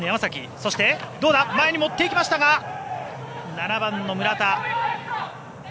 そして、前に持っていきましたが７番の村田。